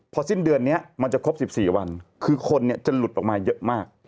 พอสิ้นเดือนนี้มันจะครบ๑๔วันคือคนจะหลุดออกมาเยอะมาก